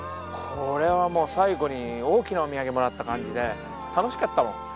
これはもう最後に大きなお土産もらった感じで楽しかったもん。